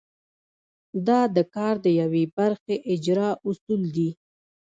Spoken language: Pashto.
دا د کار د یوې برخې اجرا اصول دي.